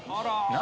何？